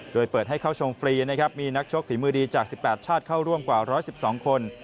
โดยเปิดให้เข้าชมฟรีนะครับมีนักชกฝีมือดีจาก๑๘ชาติเข้าร่วมกว่า๑๑๒คน